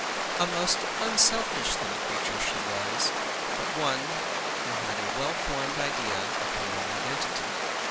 A most unselfish little creature she was, but one who had a well formed idea of her own identity.